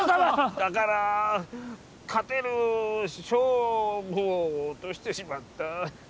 だから勝てる勝負を落としてしまった。